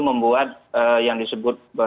membuat yang disebut